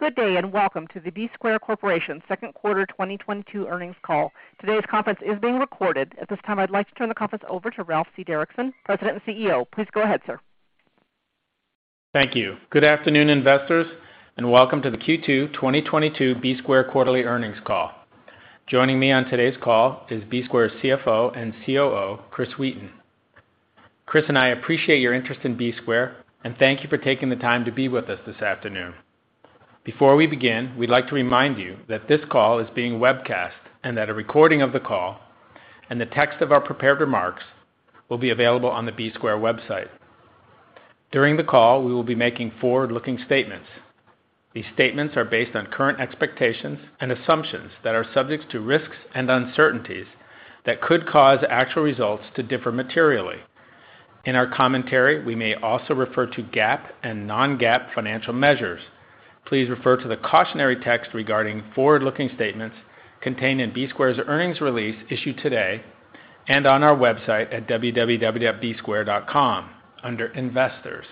Good day, and welcome to the Bsquare Corporation Q2 2022 earnings call. Today's conference is being recorded. At this time, I'd like to turn the conference over to Ralph C. Derrickson, President and CEO. Please go ahead, sir. Thank you. Good afternoon, investors, and welcome to the Q2 2022 Bsquare quarterly earnings call. Joining me on today's call is Bsquare's CFO and COO, Chris Wheaton. Chris and I appreciate your interest in Bsquare, and thank you for taking the time to be with us this afternoon. Before we begin, we'd like to remind you that this call is being webcast and that a recording of the call and the text of our prepared remarks will be available on the Bsquare website. During the call, we will be making forward-looking statements. These statements are based on current expectations and assumptions that are subject to risks and uncertainties that could cause actual results to differ materially. In our commentary, we may also refer to GAAP and non-GAAP financial measures. Please refer to the cautionary text regarding forward-looking statements contained in Bsquare's earnings release issued today and on our website at www.bsquare.com under Investors.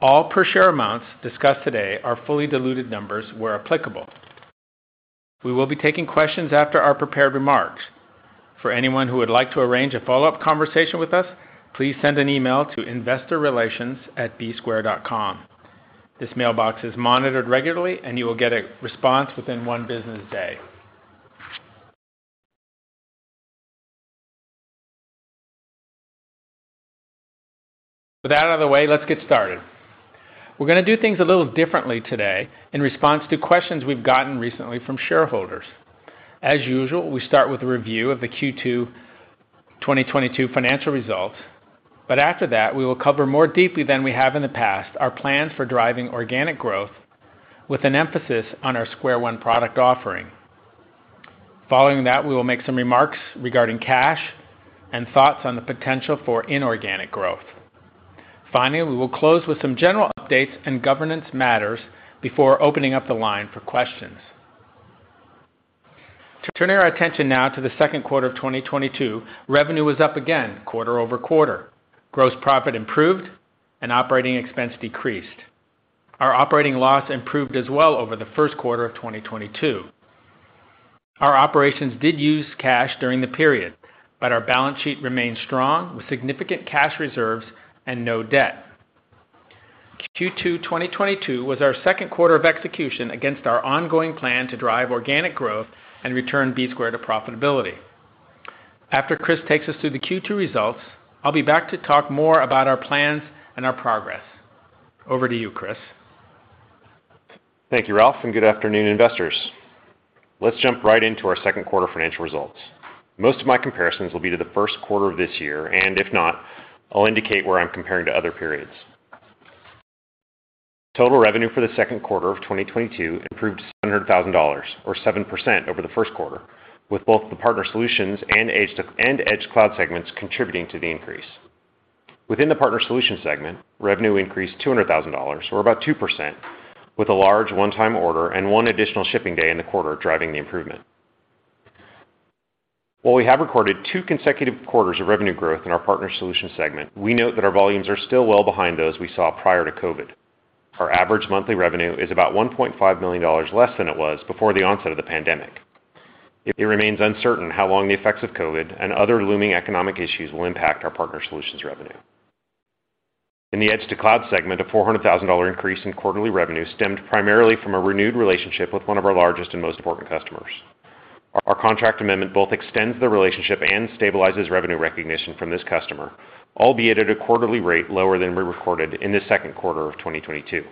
All per share amounts discussed today are fully diluted numbers where applicable. We will be taking questions after our prepared remarks. For anyone who would like to arrange a follow-up conversation with us, please send an email to investorrelations@bsquare.com. This mailbox is monitored regularly, and you will get a response within one business day. With that out of the way, let's get started. We're gonna do things a little differently today in response to questions we've gotten recently from shareholders. As usual, we start with a review of the Q2 2022 financial results, but after that, we will cover more deeply than we have in the past our plans for driving organic growth with an emphasis on our SquareOne product offering. Following that, we will make some remarks regarding cash and thoughts on the potential for inorganic growth. Finally, we will close with some general updates and governance matters before opening up the line for questions. To turn our attention now to the Q2 of 2022, revenue was up again QoQ. Gross profit improved and operating expense decreased. Our operating loss improved as well over the first quarter of 2022. Our operations did use cash during the period, but our balance sheet remains strong with significant cash reserves and no debt. Q2 2022 was our Q2 of execution against our ongoing plan to drive organic growth and return Bsquare to profitability. After Chris takes us through the Q2 results, I'll be back to talk more about our plans and our progress. Over to you, Chris. Thank you, Ralph, and good afternoon, investors. Let's jump right into our Q2 financial results. Most of my comparisons will be to the Q1 of this year, and if not, I'll indicate where I'm comparing to other periods. Total revenue for the Q2 of 2022 improved to $700,000 or 7% over the Q1, with both the Partner Solutions and Edge to Cloud segments contributing to the increase. Within the Partner Solutions segment, revenue increased $200,000 or about 2%, with a large one-time order and one additional shipping day in the quarter driving the improvement. While we have recorded two consecutive quarters of revenue growth in our Partner Solutions segment, we note that our volumes are still well behind those we saw prior to COVID. Our average monthly revenue is about $1.5 million less than it was before the onset of the pandemic. It remains uncertain how long the effects of COVID and other looming economic issues will impact our Partner Solutions revenue. In the Edge to Cloud segment, a $400,000 increase in quarterly revenue stemmed primarily from a renewed relationship with one of our largest and most important customers. Our contract amendment both extends the relationship and stabilizes revenue recognition from this customer, albeit at a quarterly rate lower than we recorded in the Q2 of 2022.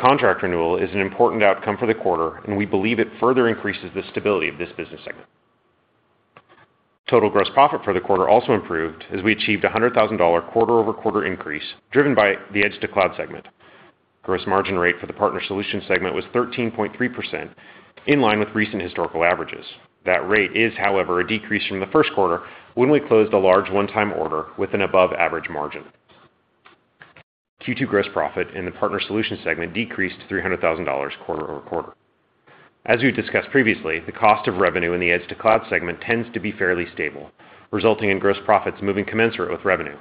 Contract renewal is an important outcome for the quarter, and we believe it further increases the stability of this business segment. Total gross profit for the quarter also improved as we achieved a $100,000 QoQ increase driven by the Edge to Cloud segment. Gross margin rate for the Partner Solutions segment was 13.3% in line with recent historical averages. That rate is, however, a decrease from the Q1 when we closed a large one-time order with an above-average margin. Q2 gross profit in the Partner Solutions segment decreased to $300,000 QoQ. As we discussed previously, the cost of revenue in the Edge to Cloud segment tends to be fairly stable, resulting in gross profits moving commensurate with revenue.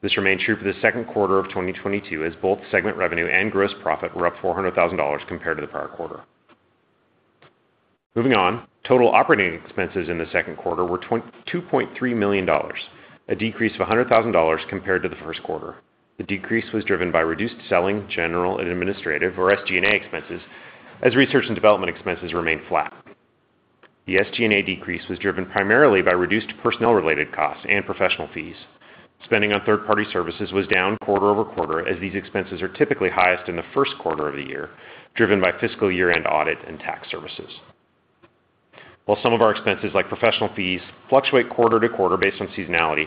This remained true for the Q2 of 2022, as both segment revenue and gross profit were up $400,000 compared to the prior quarter. Moving on, total operating expenses in the Q2 were $2.3 million, a decrease of $100,000 compared to the Q1. The decrease was driven by reduced selling, general, and administrative or SG&A expenses as research and development expenses remained flat. The SG&A decrease was driven primarily by reduced personnel-related costs and professional fees. Spending on third-party services was down QoQ as these expenses are typically highest in the first quarter of the year, driven by fiscal year-end audit and tax services. While some of our expenses, like professional fees, fluctuate QoQ based on seasonality,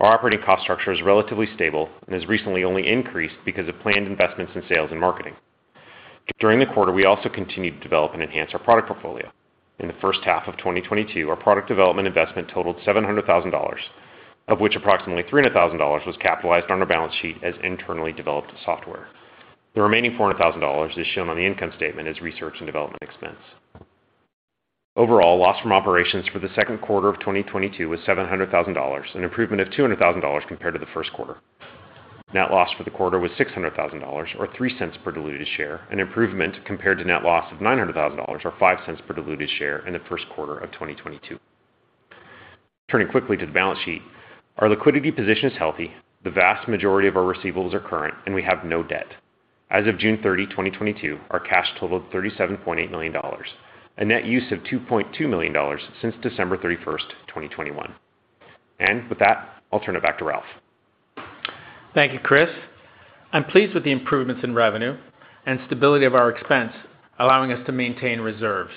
our operating cost structure is relatively stable and has recently only increased because of planned investments in sales and marketing. During the quarter, we also continued to develop and enhance our product portfolio. In the first half of 2022, our product development investment totaled $700 thousand, of which approximately $300 thousand was capitalized on our balance sheet as internally developed software. The remaining $400,000 is shown on the income statement as research and development expense. Overall, loss from operations for the Q2 of 2022 was $700,000, an improvement of $200,000 compared to the Q1. Net loss for the quarter was $600,000 or $0.03 per diluted share, an improvement compared to net loss of $900,000 or $0.05 per diluted share in the Q1 of 2022. Turning quickly to the balance sheet, our liquidity position is healthy. The vast majority of our receivables are current, and we have no debt. As of June 30, 2022, our cash totaled $37.8 million, a net use of $2.2 million since December 31, 2021. With that, I'll turn it back to Ralph. Thank you, Chris. I'm pleased with the improvements in revenue and stability of our expense, allowing us to maintain reserves.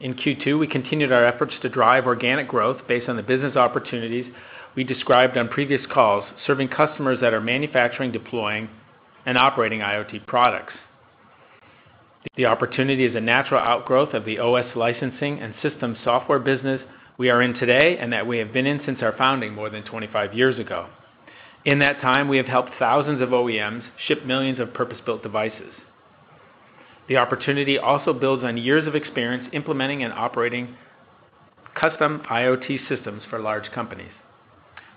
In Q2, we continued our efforts to drive organic growth based on the business opportunities we described on previous calls, serving customers that are manufacturing, deploying, and operating IoT products. The opportunity is a natural outgrowth of the OS licensing and systems software business we are in today and that we have been in since our founding more than 25 years ago. In that time, we have helped thousands of OEMs ship millions of purpose-built devices. The opportunity also builds on years of experience implementing and operating custom IoT systems for large companies.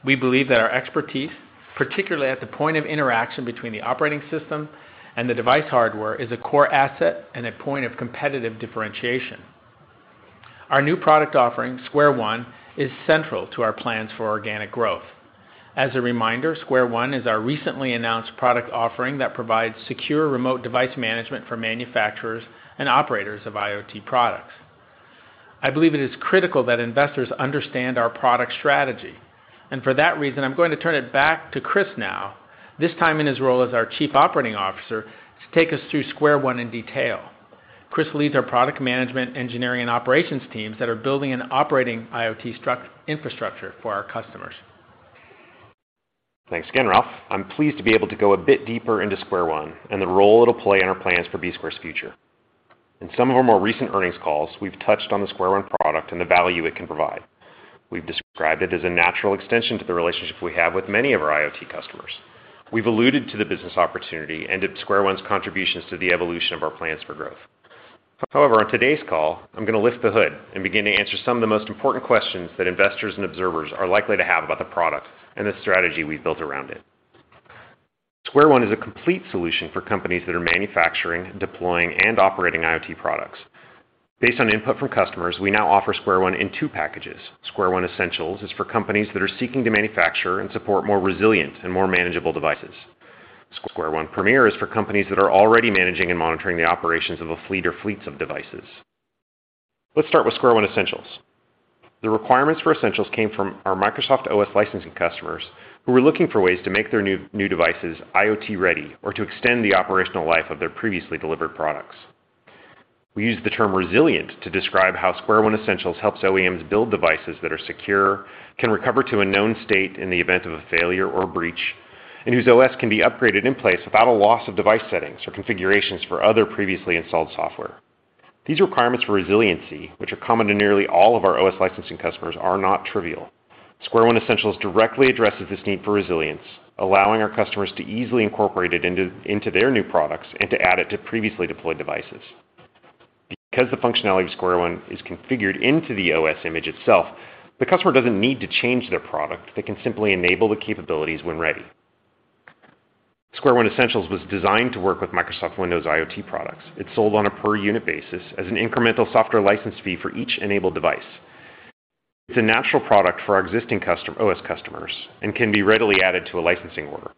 We believe that our expertise, particularly at the point of interaction between the operating system and the device hardware, is a core asset and a point of competitive differentiation. Our new product offering, SquareOne, is central to our plans for organic growth. As a reminder, SquareOne is our recently announced product offering that provides secure remote device management for manufacturers and operators of IoT products. I believe it is critical that investors understand our product strategy, and for that reason, I'm going to turn it back to Chris now, this time in his role as our Chief Operating Officer, to take us through SquareOne in detail. Chris leads our product management, engineering, and operations teams that are building and operating IoT infrastructure for our customers. Thanks again, Ralph. I'm pleased to be able to go a bit deeper into SquareOne and the role it'll play in our plans for Bsquare's future. In some of our more recent earnings calls, we've touched on the SquareOne product and the value it can provide. We've described it as a natural extension to the relationship we have with many of our IoT customers. We've alluded to the business opportunity and to SquareOne's contributions to the evolution of our plans for growth. However, on today's call, I'm gonna lift the hood and begin to answer some of the most important questions that investors and observers are likely to have about the product and the strategy we've built around it. SquareOne is a complete solution for companies that are manufacturing, deploying, and operating IoT products. Based on input from customers, we now offer SquareOne in two packages. SquareOne Essentials is for companies that are seeking to manufacture and support more resilient and more manageable devices. SquareOne Premier is for companies that are already managing and monitoring the operations of a fleet or fleets of devices. Let's start with SquareOne Essentials. The requirements for Essentials came from our Microsoft OS licensing customers, who were looking for ways to make their new devices IoT-ready or to extend the operational life of their previously delivered products. We use the term resilient to describe how SquareOne Essentials helps OEMs build devices that are secure, can recover to a known state in the event of a failure or breach, and whose OS can be upgraded in place without a loss of device settings or configurations for other previously installed software. These requirements for resiliency, which are common to nearly all of our OS licensing customers, are not trivial. SquareOne Essentials directly addresses this need for resilience, allowing our customers to easily incorporate it into their new products and to add it to previously deployed devices. Because the functionality of SquareOne is configured into the OS image itself, the customer doesn't need to change their product. They can simply enable the capabilities when ready. SquareOne Essentials was designed to work with Microsoft Windows IoT products. It's sold on a per-unit basis as an incremental software license fee for each enabled device. It's a natural product for our existing custom OS customers and can be readily added to a licensing order.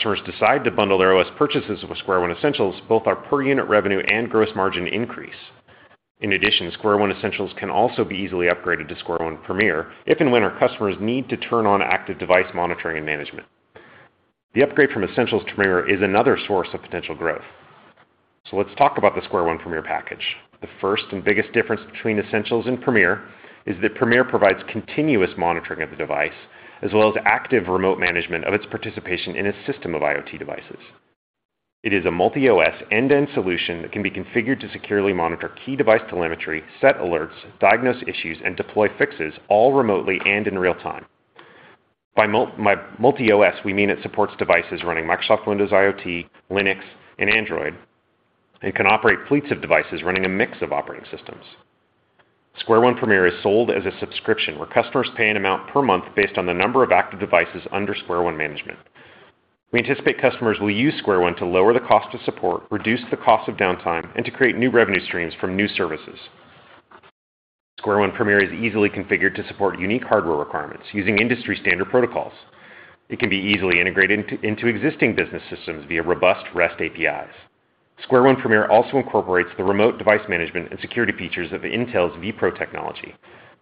As customers decide to bundle their OS purchases with SquareOne Essentials, both our per-unit revenue and gross margin increase. In addition, SquareOne Essentials can also be easily upgraded to SquareOne Premier if and when our customers need to turn on active device monitoring and management. The upgrade from Essentials to Premier is another source of potential growth. Let's talk about the SquareOne Premier package. The first and biggest difference between Essentials and Premier is that Premier provides continuous monitoring of the device as well as active remote management of its participation in a system of IoT devices. It is a multi-OS end-to-end solution that can be configured to securely monitor key device telemetry, set alerts, diagnose issues, and deploy fixes, all remotely and in real time. By multi-OS, we mean it supports devices running Microsoft Windows IoT, Linux, and Android, and can operate fleets of devices running a mix of operating systems. SquareOne Premier is sold as a subscription, where customers pay an amount per month based on the number of active devices under SquareOne management. We anticipate customers will use SquareOne to lower the cost of support, reduce the cost of downtime, and to create new revenue streams from new services. SquareOne Premier is easily configured to support unique hardware requirements using industry-standard protocols. It can be easily integrated into existing business systems via robust REST APIs. SquareOne Premier also incorporates the remote device management and security features of Intel's vPro technology.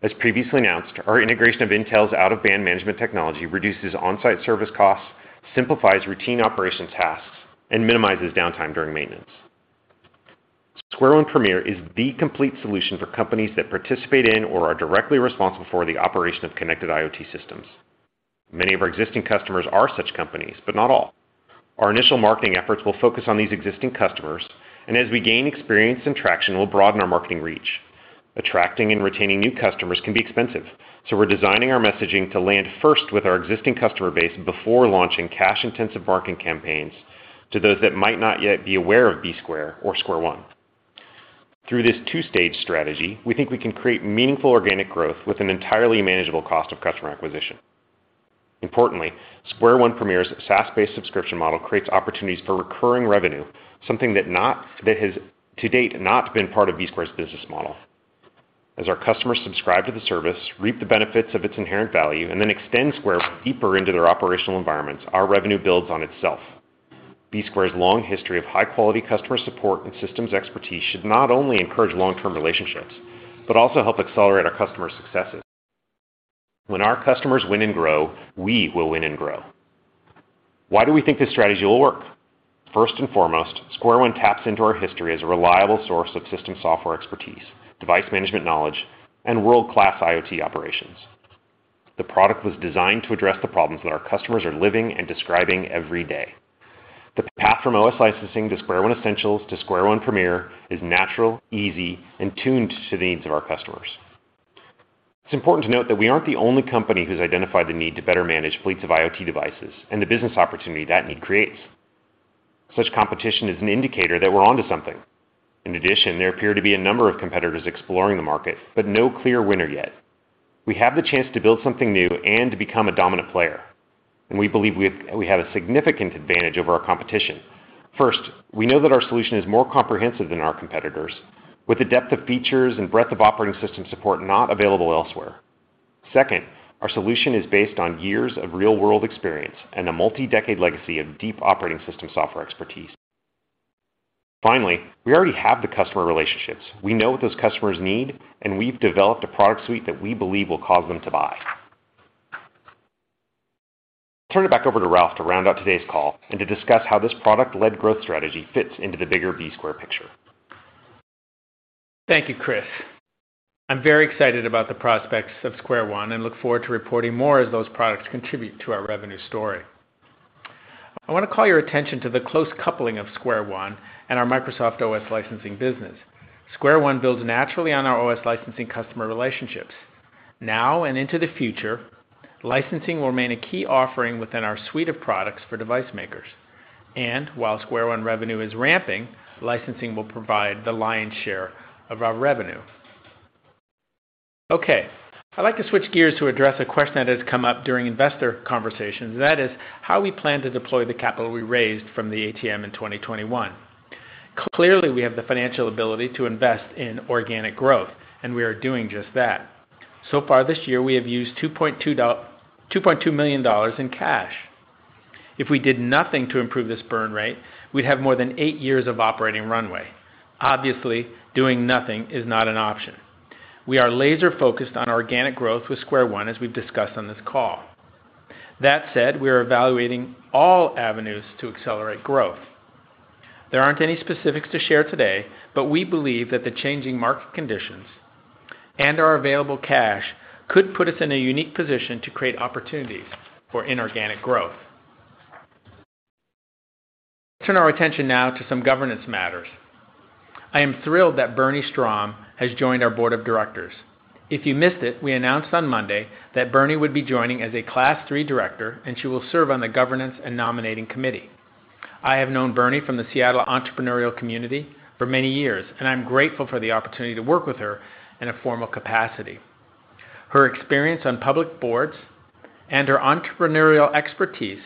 As previously announced, our integration of Intel's out-of-band management technology reduces on-site service costs, simplifies routine operations tasks, and minimizes downtime during maintenance. SquareOne Premier is the complete solution for companies that participate in or are directly responsible for the operation of connected IoT systems. Many of our existing customers are such companies, but not all. Our initial marketing efforts will focus on these existing customers, and as we gain experience and traction, we'll broaden our marketing reach. Attracting and retaining new customers can be expensive, so we're designing our messaging to land first with our existing customer base before launching cash-intensive marketing campaigns. To those that might not yet be aware of Bsquare or SquareOne. Through this two-stage strategy, we think we can create meaningful organic growth with an entirely manageable cost of customer acquisition. Importantly, SquareOne Premier's SaaS-based subscription model creates opportunities for recurring revenue, something that has to date not been part of Bsquare's business model. As our customers subscribe to the service, reap the benefits of its inherent value, and then extend Square deeper into their operational environments, our revenue builds on itself. Bsquare's long history of high-quality customer support and systems expertise should not only encourage long-term relationships, but also help accelerate our customers' successes. When our customers win and grow, we will win and grow. Why do we think this strategy will work? First and foremost, SquareOne taps into our history as a reliable source of system software expertise, device management knowledge, and world-class IoT operations. The product was designed to address the problems that our customers are living and describing every day. The path from OS licensing to SquareOne Essentials to SquareOne Premier is natural, easy, and tuned to the needs of our customers. It's important to note that we aren't the only company who's identified the need to better manage fleets of IoT devices and the business opportunity that need creates. Such competition is an indicator that we're onto something. In addition, there appear to be a number of competitors exploring the market, but no clear winner yet. We have the chance to build something new and to become a dominant player, and we believe we have a significant advantage over our competition. First, we know that our solution is more comprehensive than our competitors, with a depth of features and breadth of operating system support not available elsewhere. Second, our solution is based on years of real-world experience and a multi-decade legacy of deep operating system software expertise. Finally, we already have the customer relationships, we know what those customers need, and we've developed a product suite that we believe will cause them to buy. Turn it back over to Ralph to round out today's call and to discuss how this product-led growth strategy fits into the bigger Bsquare picture. Thank you, Chris. I'm very excited about the prospects of SquareOne and look forward to reporting more as those products contribute to our revenue story. I wanna call your attention to the close coupling of SquareOne and our Microsoft OS licensing business. SquareOne builds naturally on our OS licensing customer relationships. Now and into the future, licensing will remain a key offering within our suite of products for device makers. While SquareOne revenue is ramping, licensing will provide the lion's share of our revenue. Okay, I'd like to switch gears to address a question that has come up during investor conversations, that is how we plan to deploy the capital we raised from the ATM in 2021. Clearly, we have the financial ability to invest in organic growth, and we are doing just that. So far this year, we have used $2.2 million in cash. If we did nothing to improve this burn rate, we'd have more than eight years of operating runway. Obviously, doing nothing is not an option. We are laser-focused on organic growth with SquareOne, as we've discussed on this call. That said, we are evaluating all avenues to accelerate growth. There aren't any specifics to share today, but we believe that the changing market conditions and our available cash could put us in a unique position to create opportunities for inorganic growth. Turn our attention now to some governance matters. I am thrilled that Bernee D. L. Strom has joined our board of directors. If you missed it, we announced on Monday that Bernee D. L. Strom would be joining as a Class III director, and she will serve on the governance and nominating committee. I have known Bernee from the Seattle entrepreneurial community for many years, and I'm grateful for the opportunity to work with her in a formal capacity. Her experience on public boards and her entrepreneurial expertise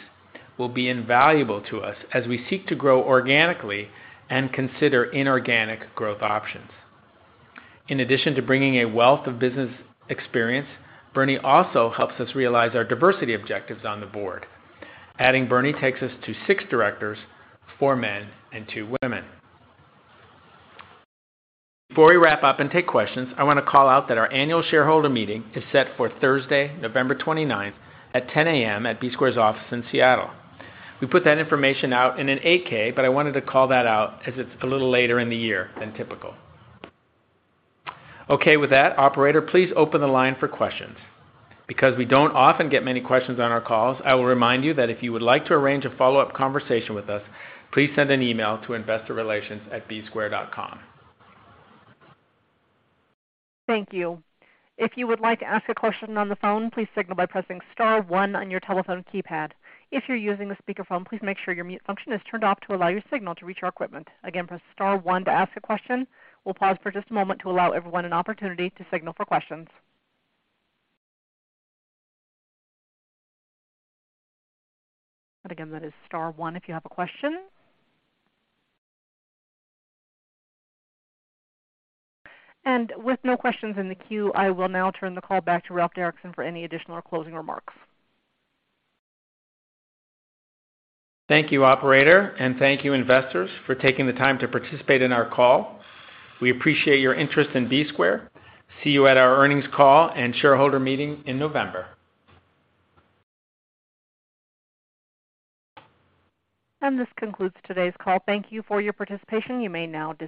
will be invaluable to us as we seek to grow organically and consider inorganic growth options. In addition to bringing a wealth of business experience, Bernee also helps us realize our diversity objectives on the board. Adding Bernee takes us to six directors, four men and two women. Before we wrap up and take questions, I wanna call out that our annual shareholder meeting is set for Thursday, November 29th at 10 A.M. at Bsquare's office in Seattle. We put that information out in an 8-K, but I wanted to call that out as it's a little later in the year than typical. Okay, with that, operator, please open the line for questions. Because we don't often get many questions on our calls, I will remind you that if you would like to arrange a follow-up conversation with us, please send an email to investorrelations@bsquare.com. Thank you. If you would like to ask a question on the phone, please signal by pressing star one on your telephone keypad. If you're using a speakerphone, please make sure your mute function is turned off to allow your signal to reach our equipment. Again, press star one to ask a question. We'll pause for just a moment to allow everyone an opportunity to signal for questions. Again, that is star one if you have a question. With no questions in the queue, I will now turn the call back to Ralph Derrickson for any additional or closing remarks. Thank you, operator, and thank you, investors for taking the time to participate in our call. We appreciate your interest in Bsquare. See you at our earnings call and shareholder meeting in November. This concludes today's call. Thank you for your participation. You may now disconnect.